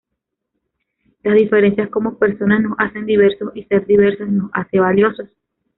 Las diferencias como personas nos hacen diversos y ser diversos nos hace valiosos.